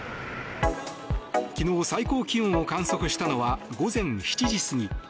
昨日、最高気温を観測したのは午前７時過ぎ。